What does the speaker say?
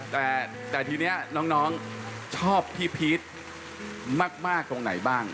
แต่ทีนี้น้องชอบพี่พีชมากตรงไหนบ้าง